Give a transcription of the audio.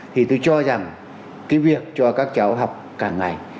thì tôi cho rằng cái việc cho các cháu học càng ngày